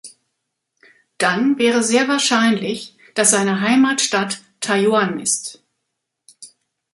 Dann wäre sehr wahrscheinlich, dass seine Heimatstadt Taiyuan ist.